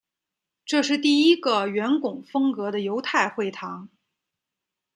这是第一个圆拱风格的犹太会堂。